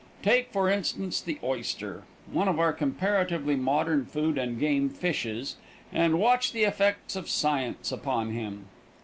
Take, for instance, the oyster, one of our comparatively modern food and game fishes, and watch the effects of science upon him.